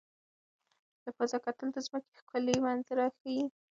له فضا کتل د ځمکې ښکلي منظره ښيي.